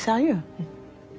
うん。